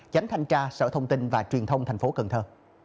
tránh thanh tra sở thông tin và truyền thông thành phố cần thơ